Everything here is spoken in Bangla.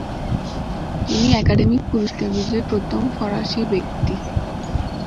তিনি একাডেমি পুরস্কার বিজয়ী প্রথম ফরাসি ব্যক্তি।